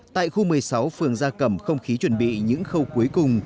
tại khu một mươi sáu phường gia cẩm không khí chuẩn bị những khâu cuối cùng